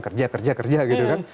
kerja kerja gitu kan